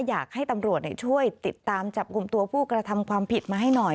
อยากให้ตำรวจช่วยติดตามจับกลุ่มตัวผู้กระทำความผิดมาให้หน่อย